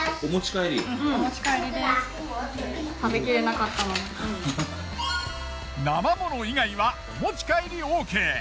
なま物以外はお持ち帰りオーケー。